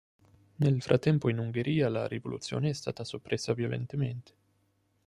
Nel frattempo, in Ungheria la rivoluzione è stata soppressa violentemente.